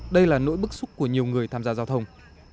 đây là nỗi bức xúc của nhiều người tham gia giao thông